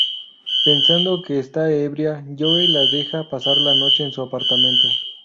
Pensando que está ebria, Joe la deja pasar la noche en su apartamento.